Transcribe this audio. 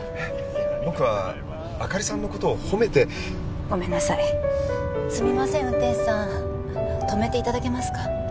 僕は明里さんのことを褒めてごめんなさいすみません運転手さん止めていただけますか？